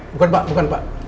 bukan pak bukan pak